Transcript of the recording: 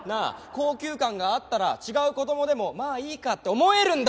高級感があったら違う子供でも「まあいいか」って思えるんだ？